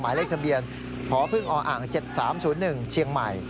หมายเลขทะเบียนพพ๗๓๐๑เชียงใหม่